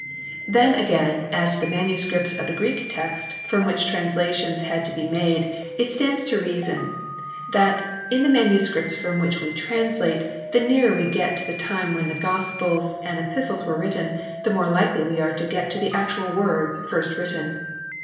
Then again as to the MSS. of the Greek Text from which translations had to be made. It stands to reason that, in the manuscripts from which we translate, the nearer we get to the time when Gospels and Epistles were written, the more likely we are to get the actual words first written.